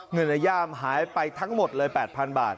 เงินในย่ามหายไปทั้งหมดเลย๘๐๐๐บาท